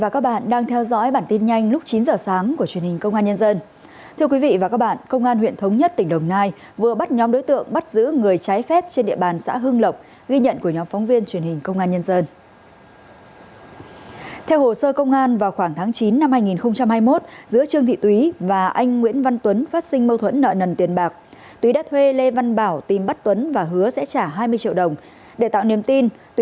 cảm ơn các bạn đã theo dõi